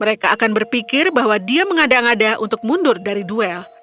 mereka akan berpikir bahwa dia mengada ngada untuk mundur dari duel